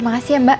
makasih ya mbak